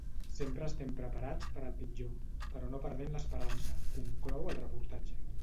Sempre estem preparats per al pitjor, però no perdem l’esperança, conclou el reportatge.